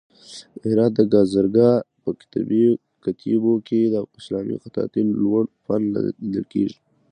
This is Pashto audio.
د هرات د گازرګاه په کتيبو کې د اسلامي خطاطۍ لوړ فن لیدل کېږي.